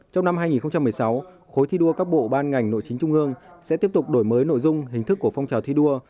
trong năm hai nghìn một mươi sáu khối thi đua các bộ ban ngành nội chính trung ương sẽ tiếp tục đổi mới nội dung hình thức của phong trào thi đua